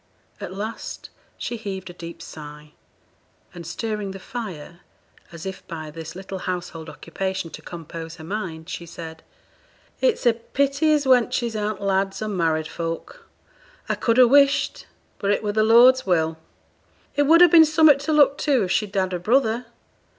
At last she heaved a deep sigh, and stirring the fire, as if by this little household occupation to compose her mind, she said 'It's a pity as wenches aren't lads, or married folk. I could ha' wished but it were the Lord's will It would ha' been summut to look to, if she'd had a brother.